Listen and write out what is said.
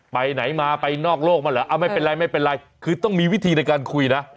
ไปไหนมาไปนอกโลกมาเหรอไม่เป็นไรคือต้องมีวิธีในการคุยนะ